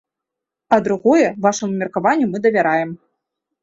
А другое, вашаму меркаванню мы давяраем.